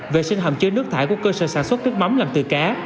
vệ sinh hầm chứa nước thải của cơ sở sản xuất nước mắm làm từ cá